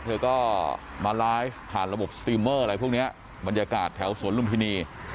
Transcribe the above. เธอก็มาไลฟ์ผ่านระบบสติเมอร์อะไรพวกนี้บรรยากาศแถวสวนลุมพินี